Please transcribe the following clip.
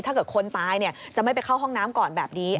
ถ้าเกิดคนตายจะไม่ไปเข้าห้องน้ำก่อนแบบนี้